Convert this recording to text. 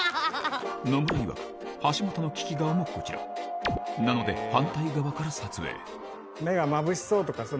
橋本の利き顔もこちらなので反対側から撮影目がまぶしそうとかそうなっちゃう。